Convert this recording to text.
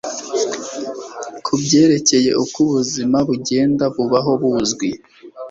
kubyerekeye uko ubuzima bugenda bubaho buzwi